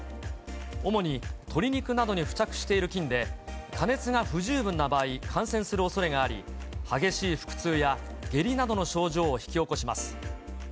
主に鶏肉などに付着している菌で、加熱が不十分な場合、感染するおそれがあり、激しい腹痛や下痢などの症状を引き起こします。